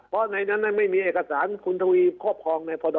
เพราะในนั้นไม่มีเอกสารคุณทวีครอบครองในพร